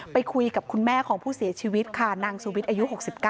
ไปคุยกับคุณแม่ของผู้เสียชีวิตค่ะนางสุวิทย์อายุ๖๙